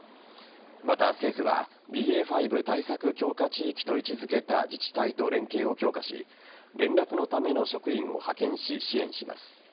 また、政府はＢＡ．５対策強化地域と位置付けた自治体と連携を強化し連絡のための職員を派遣し支援します。